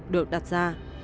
được đặt ra